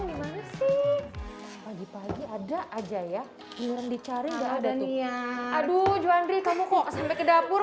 gimana sih pagi pagi ada aja ya iuran dicari enggak ada nih ya aduh juandri kamu kok sampai ke dapur